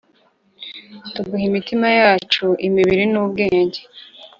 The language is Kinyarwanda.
Tuguha imitima yacu imibiri n’ubwenge